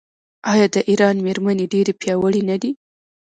آیا د ایران میرمنې ډیرې پیاوړې نه دي؟